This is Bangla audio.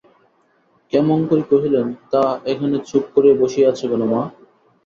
ক্ষেমংকরী কহিলেন, তা, এখানে চুপ করিয়া বসিয়া আছ কেন মা?